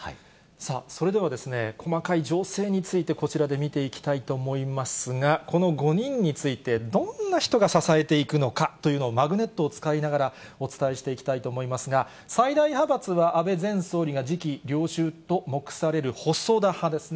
それでは細かい情勢について、こちらで見ていきたいと思いますが、この５人について、どんな人が支えていくのかというのを、マグネットを使いながら、お伝えしていきたいと思いますが、最大派閥は安倍前総理が次期領袖と目される細田派ですね。